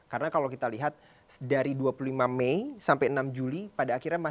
karena kalau kita lihat dari dua puluh lima mei sampai enam juli pada akhirnya